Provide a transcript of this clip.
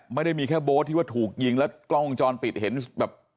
ไม่ได้มีแค่โบ๊ทที่ว่าถูกยิงแล้วกล้องวงจรปิดเห็นแบบ